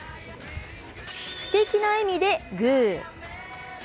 不敵な笑みでグー。